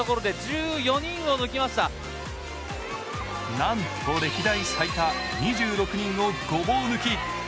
なんと歴代最多２６人をごぼう抜き。